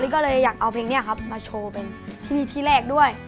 ก็เลยอยากเอาเพลงนี้ครับมาโชว์เป็นที่นี่ที่แรกด้วย